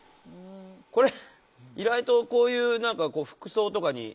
これ意外とこういう何か服装とかに。